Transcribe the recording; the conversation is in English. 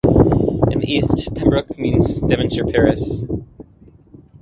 In the east, Pembroke meets Devonshire Parish.